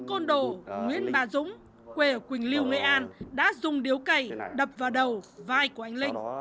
côn đồ nguyễn bà dũng quê ở quỳnh liêu nghệ an đã dùng điếu cây đập vào đầu vai của anh linh